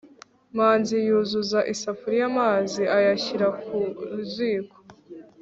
manzi yuzuza isafuriya amazi ayashyira ku ziko